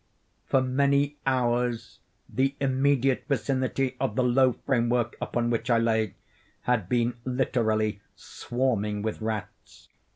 For many hours the immediate vicinity of the low framework upon which I lay had been literally swarming with rats.